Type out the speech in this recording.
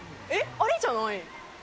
あれじゃない？